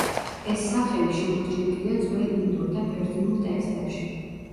ეს სახელი შემორჩენილია ძველ ინდურ და ბერძნულ ტექსტებში.